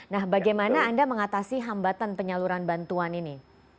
nah bagaimana anda mengatasi hambatan penyaluran bantuan ini